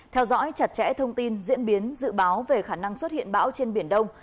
theo dõi chặt chẽ thông tin diễn biến dự báo về khả năng xuất hiện bão trên biển đông